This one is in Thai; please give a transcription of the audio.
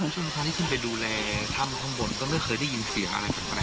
คุณพระอาจารย์ที่ขึ้นไปดูแลทัมภศปุ่นก็ไม่เคยได้ยินเสียงอะไร